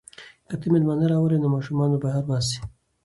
که ته مېلمانه راولې نو ماشومان به بهر وباسم.